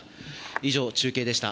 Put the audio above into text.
以上、中継でした。